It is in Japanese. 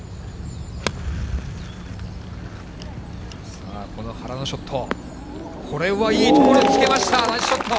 さあ、この原のショット、これはいい所へつけました、ナイスショット。